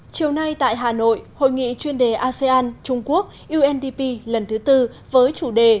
chiều nay tại hà nội hội nghị chuyên đề asean trung quốc undp lần thứ tư với chủ đề